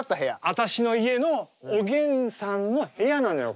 私の家のおげんさんの部屋なのよ